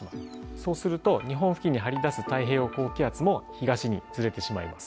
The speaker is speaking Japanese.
そうすると日本付近に張り出す太平洋高気圧も東にずれてしまいます。